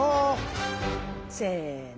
せの。